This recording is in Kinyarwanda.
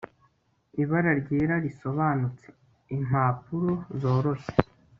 Ibara ryera risobanutse impapuro zoroshye